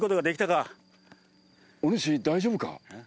お主大丈夫か？